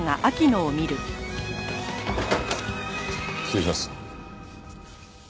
失礼します。